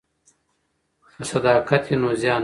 که صداقت وي نو زیان نه وي.